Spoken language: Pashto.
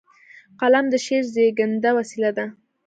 قلم د شعر زیږنده وسیله ده.